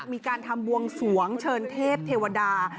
มีการทำบวงสวงเชิญเทพเทวดา